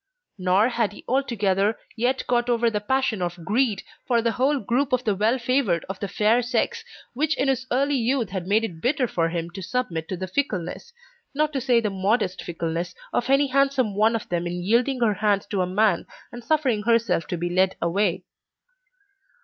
Nor had he altogether yet got over the passion of greed for the whole group of the well favoured of the fair sex, which in his early youth had made it bitter for him to submit to the fickleness, not to say the modest fickleness, of any handsome one of them in yielding her hand to a man and suffering herself to be led away.